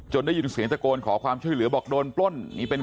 ได้ยินเสียงตะโกนขอความช่วยเหลือบอกโดนปล้น